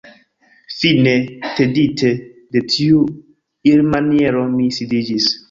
Fine, tedite de tiu irmaniero, mi sidiĝis.